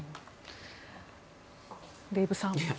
デーブさん。